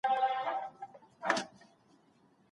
تاسي باید له خپل ځان سره مهربانه اوسئ.